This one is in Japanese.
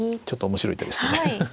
ちょっと面白い手ですね。